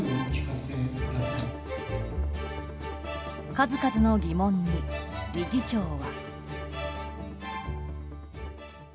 数々の疑問に理事長は。